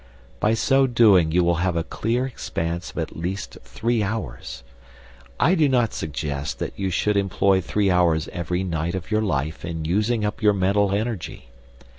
By so doing you will have a clear expanse of at least three hours. I do not suggest that you should employ three hours every night of your life in using up your mental energy.